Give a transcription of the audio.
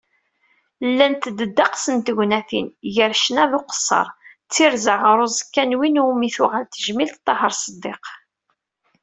Llant-d ddeqs n tegnatin, gar ccna d uqeṣṣeṛ, d tirza ɣer uẓekka n win iwumi tuɣal tejmilt Taheṛ Uṣeddiq.